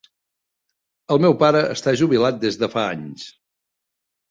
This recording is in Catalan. El meu pare està jubilat des de fa anys.